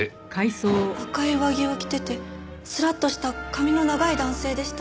赤い上着を着ててスラッとした髪の長い男性でした。